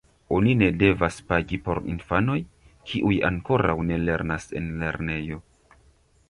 Oni ne devas pagi por infanoj, kiuj ankoraŭ ne lernas en lernejo.